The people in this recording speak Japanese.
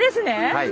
はい！